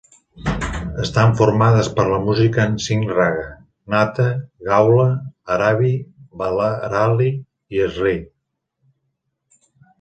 Estan formades per la música en cinc raga: Nata, Gaula, Arabhi, Varali i Sri.